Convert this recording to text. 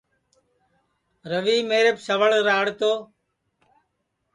روی میریپ سوڑ راݪ تو